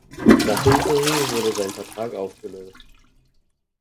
Nach Hinserie wurde sein Vertrag aufgelöst.